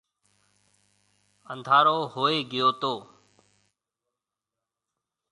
انڌارو ھوئي گيو تو۔